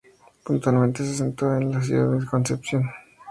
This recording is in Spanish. Puntualmente se acentúa en la ciudad de Concepción.